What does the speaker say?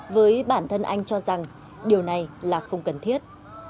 với bản thân anh cho rằng điều này là không cần thiết